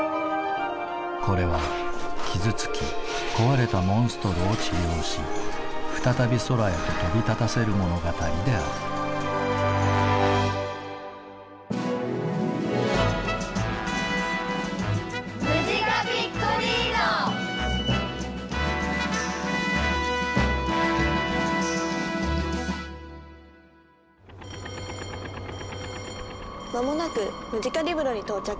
これは傷つき壊れたモンストロを治療し再び空へと飛び立たせる物語である間もなくムジカリブロに到着。